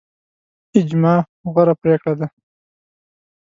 اجماع غوره پریکړه ده